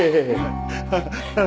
ハハハハハ。